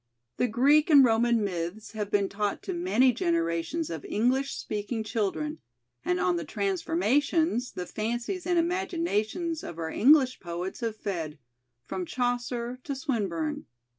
The Greek and Roman myths have been taught to many generations of English speaking children, and on the "transformations" the fancies and imaginations of our English poets have fed, from Chaucer to Swinburne.